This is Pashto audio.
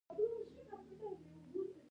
وریښتان نه لنډوم، اوس بیخي غټه او مړوښه ښکارم.